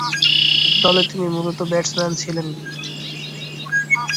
দলে তিনি মূলতঃ ব্যাটসম্যান ছিলেন।